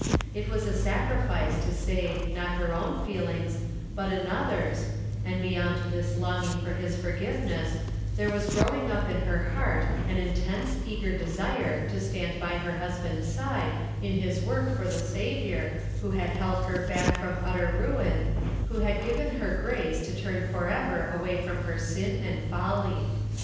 It was a sacrifice to save, not her own feelings, but another's, and beyond this long ing for his forgiveness there was growing up in her heart an intense, eager desire to stand by her husband's side in liis work for the Saviour, who had held her back from utter ruin, who had given her grace to turn forever away from her sin and folly.